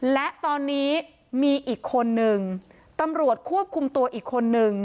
และตอนนี้มีอีกคนนึงตำรวจควบคุมตัวอีกคนนึง